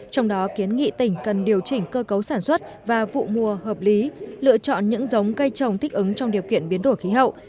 trong đó kiến nghị tỉnh cần điều chỉnh cơ cấu sản xuất và vụ mùa hợp lý lựa chọn những giống cây trồng thích ứng trong điều kiện biến đổi khí hậu